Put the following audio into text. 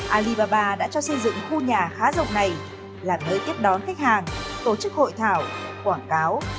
alibaba đã cho xây dựng khu nhà khá rộng này làm nơi tiếp đón khách hàng tổ chức hội thảo quảng cáo